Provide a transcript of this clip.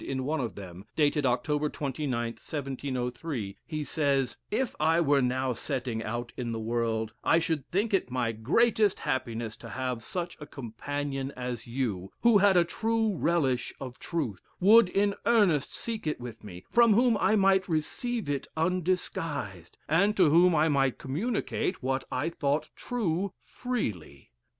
In one of them, dated October 29th, 1703, he says "If I were now setting out in the world, I should think it my greatest happiness to have such a companion as you, who had a true relish of truth, would in earnest seek it with me, from whom I might receive it undisguised, and to whom I might communicate what I thought true, freely.